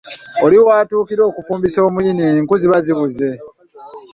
Oli w’atuukira okufumbisa omuyini enku ziba zibuze.